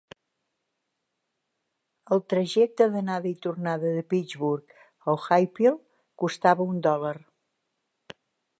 El trajecte d'anada i tornada de Pittsburgh a Ohiopyle costava un dòlar.